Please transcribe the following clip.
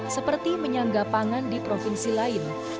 seperti menyangga pangan di provinsi lain